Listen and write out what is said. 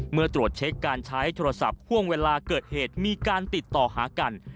เมื่อตรวจเช็คการใช้โทรศัพท์ห่วงเวลาเกิดเหตุมีการติดต่อหากัน